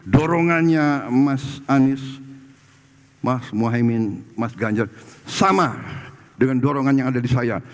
dorongannya mas anies mas muhaymin mas ganjar sama dengan dorongan yang ada di saya